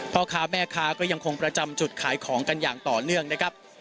พ่อค้าแม่ค้าก็ยังคงประจำจุดขายของกันอย่างต่อเนื่องนะครับ